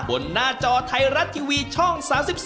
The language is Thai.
หน้าจอไทยรัฐทีวีช่อง๓๒